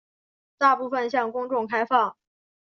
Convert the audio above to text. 大部分向公众开放。